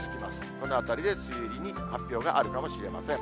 このあたりで梅雨入りの発表があるかもしれません。